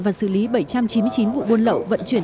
và xử lý bảy trăm chín mươi chín vụ buôn lậu vận chuyển